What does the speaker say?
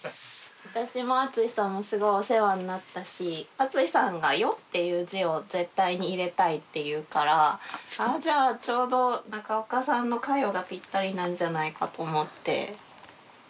私もアツシさんもすごいお世話になったしアツシさんが「よ」っていう字を絶対に入れたいって言うからちょうど中岡さんの「かよ」がぴったりなんじゃないかと思って。